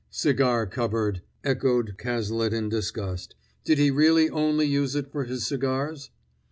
"Cigar cupboard!" echoed Cazalet in disgust. "Did he really only use it for his cigars?"